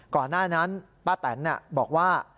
ก่อนหน้านั้นป้าแตนบอกว่า